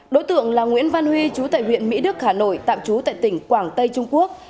đối tượng là nguyễn văn huy chú tại huyện mỹ đức hà nội tạm trú tại tỉnh quảng tây trung quốc